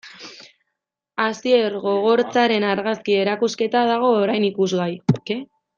Asier Gogortzaren argazki erakusketa dago orain ikusgai.